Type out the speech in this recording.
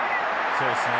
そうですね。